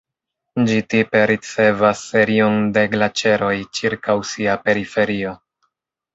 Ĝi tipe ricevas serion de glaĉeroj ĉirkaŭ sia periferio.